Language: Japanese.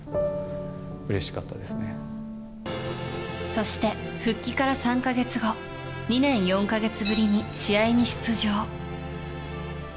そして、復帰から３か月後２年４か月ぶりに試合に出場。